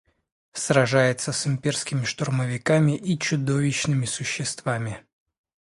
сражается с имперскими штурмовиками и чудовищными существами